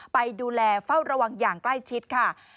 ไปดูแลเฝ้าระวังอย่างใกล้ชิดค่ะ